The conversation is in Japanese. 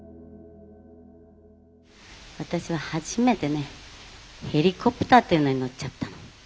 「私は初めてねヘリコプターっていうのに乗っちゃったの。